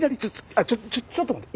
あっちょっと待って。